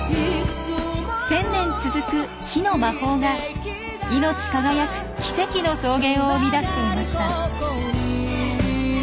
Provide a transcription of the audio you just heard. １，０００年続く「火の魔法」が命輝く奇跡の草原を生み出していました。